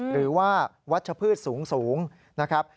หรือว่าวัชพืชสูงนะครับ